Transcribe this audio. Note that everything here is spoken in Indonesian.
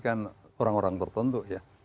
yang memiliki orang orang tertentu ya